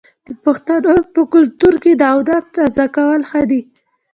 د پښتنو په کلتور کې د اودس تازه ساتل ښه دي.